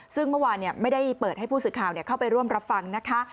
ซึ่งเมื่อวานไม่ได้เปิดให้ผู้สื่อข่าวเข้าไปร่วมรับฟังนะคะ